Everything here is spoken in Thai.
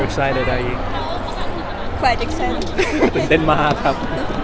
ตื่นเต้นมากครับ